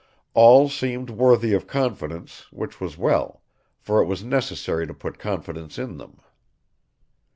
All seemed worthy of confidence, which was well; for it was necessary to put confidence in them.